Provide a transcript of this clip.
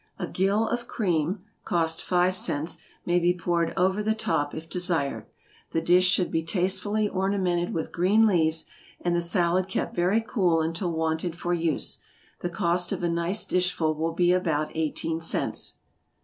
A gill of cream, (cost five cents,) may be poured over the top, if desired. The dish should be tastefully ornamented with green leaves, and the salad kept very cool until wanted for use. The cost of a nice dishful will be about eighteen cents.